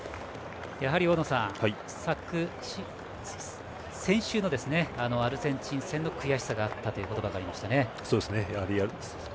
大野さん、先週のアルゼンチン戦の悔しさがあったという言葉がありました。